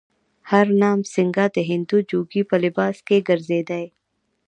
هرنام سینګه د هندو جوګي په لباس کې ګرځېدی.